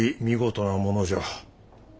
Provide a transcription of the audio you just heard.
見事なものじゃ。